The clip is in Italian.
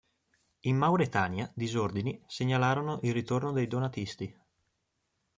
In Mauretania disordini segnalarono il ritorno dei donatisti.